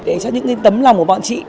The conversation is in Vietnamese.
để cho những cái tấm lòng của bọn chị